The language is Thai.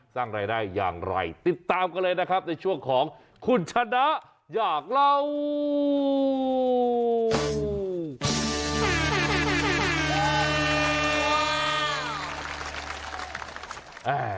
สร้างรายได้อย่างไรติดตามกันเลยนะครับในช่วงของคุณชนะอยากเล่า